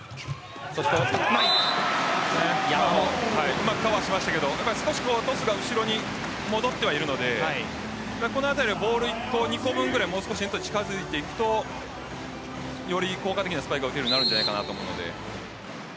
うまくかわしましたがトスが後ろに戻ってはいるのでこのあたりボール１個２個分ぐらいネットに近づいていくとより効果的なスパイクが打てるようになると思うので。